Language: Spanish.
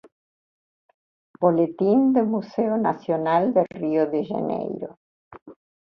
Boletim do Museu Nacional de Rio de Janeiro.